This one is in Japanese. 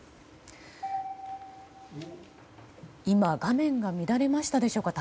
今、画面が乱れましたでしょうか。